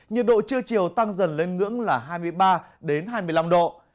nhiệt độ trưa chiều tăng dần lên ngưỡng là hai mươi ba hai mươi năm độ